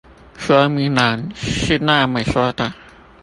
說明欄是那麼說的